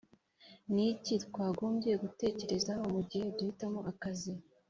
ni iki twagombye gutekerezaho mu gihe duhitamo akazi